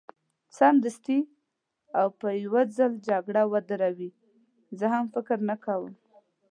سمدستي او په یو ځل جګړه ودروي، زه هم فکر نه کوم.